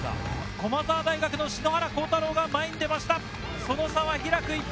駒澤大学・篠原倖太朗が前に出ました。